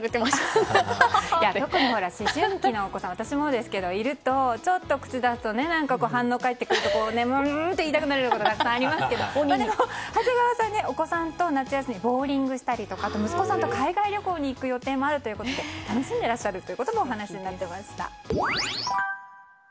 特に思春期のお子さんいると、ちょっと口を出すと反応が返ってくるとうーんと言いたくなることもたくさんありますが長谷川さんに、お子さんとボーリングしたりとか息子さんと海外旅行にも行く予定があるということで楽しんでらっしゃるともお話しになっていました。